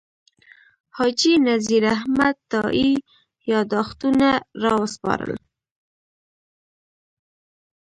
حاجي نذیر احمد تائي یاداښتونه راوسپارل.